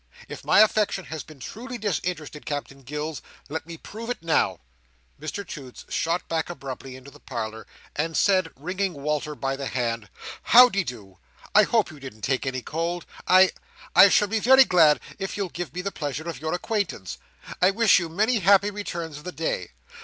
If my affection has been truly disinterested, Captain Gills, let me prove it now!" Mr Toots shot back abruptly into the parlour, and said, wringing Walter by the hand: "How de do? I hope you didn't take any cold. I—I shall be very glad if you'll give me the pleasure of your acquaintance. I wish you many happy returns of the day.